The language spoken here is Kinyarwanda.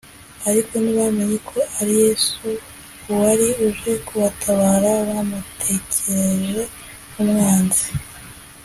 ariko ntibamenye ko ari yesu uwari uje kubatabara bamutekereje nk’umwanzi